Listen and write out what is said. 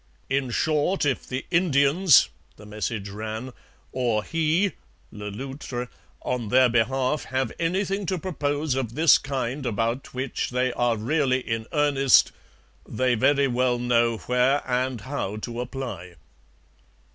'In short if the Indians,' the message ran, 'or he [Le Loutre] on their behalf, have anything to propose of this kind about which they are really in earnest, they very well know where and how to apply.'